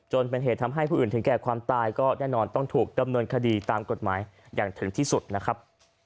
เป็นเหตุทำให้ผู้อื่นถึงแก่ความตายก็แน่นอนต้องถูกดำเนินคดีตามกฎหมายอย่างถึงที่สุดนะครับ